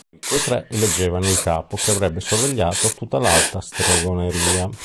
Poi quei tre eleggevano il Capo che avrebbe sorvegliato tutta l'Alta Stregoneria.